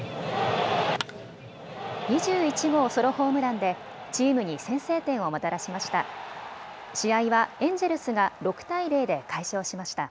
２１号ソロホームランでチームに先制点をもたらしました。